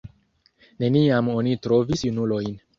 Neniam oni trovis junulojn.